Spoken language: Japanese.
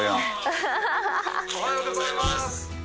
おはようございます。